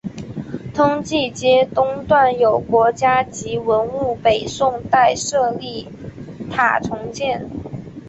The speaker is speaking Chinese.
通济街东段有国家级文物北宋代舍利塔重建。